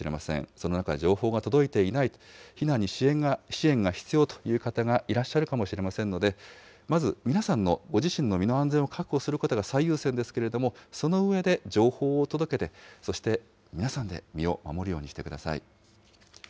その中で情報が届いていない、避難に支援が必要という方がいらっしゃるかもしれませんので、まず皆さんのご自身の身の安全を確保することが最優先ですけれども、その上で情報を届けて、そして皆さんで身を守るようにしてください。